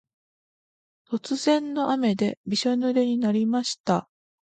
突然の雨でびしょぬれになりました。